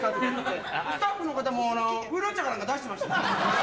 スタッフの方も、ウーロン茶かなんか出してましたよ。